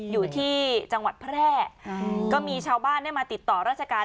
อยู่ที่จังหวัดแพร่ก็มีชาวบ้านได้มาติดต่อราชการ